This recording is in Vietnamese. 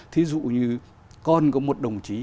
thí dụ như còn có một đồng chí